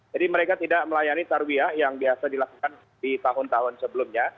jadi mereka tidak melayani tarwiyah yang biasa dilakukan di tahun tahun sebelumnya